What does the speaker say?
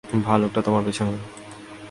ভালুকটা তোমার পেছনে।